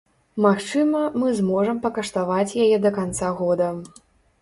Магчыма, мы зможам пакаштаваць яе да канца года.